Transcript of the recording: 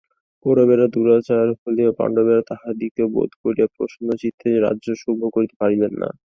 কৌরবেরা দুরাচার হইলেও পাণ্ডবেরা তাঁহাদিগকে বধ করিয়া প্রসন্নচিত্তে রাজ্যসুখ ভোগ করিতে পারিলেন না।